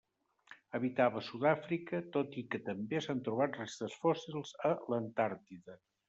Habitava a Sud-àfrica, tot i que també s'han trobat restes fòssils a l'Antàrtida.